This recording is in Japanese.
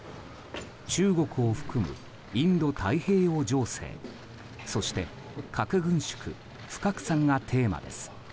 中国を含むインド太平洋情勢そして核軍縮・不拡散がテーマです。